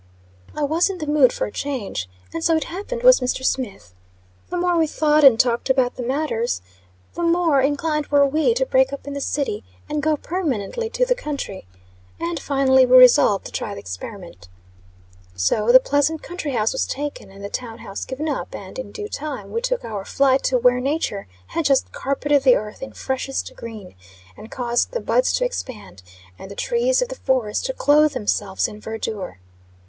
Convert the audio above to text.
I was in the mood for a change, and so it happened was Mr. Smith. The more we thought and talked about the matters, the more inclined were we to break up in the city, and go permanently to the country. And, finally, we resolved to try the experiment. So the pleasant country house was taken, and the town house given up, and, in due time, we took our flight to where nature had just carpeted the earth in freshest green, and caused the buds to expand, and the trees of the forest to clothe themselves in verdure.